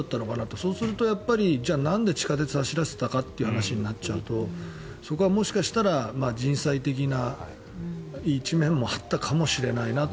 そうすると、やっぱりじゃあなんで地下鉄を走らせたかという話になっちゃうとそこは、もしかしたら人災的な一面もあったかもしれないなと。